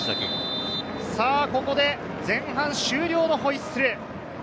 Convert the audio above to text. ここで前半終了のホイッスル！